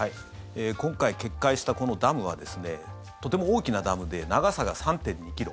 今回、決壊したこのダムはとても大きなダムで長さが３．２ｋｍ。